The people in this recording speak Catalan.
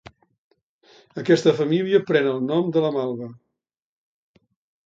Aquesta família pren el nom de la malva.